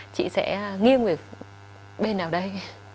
chị sẽ nghiêng về bên nào đây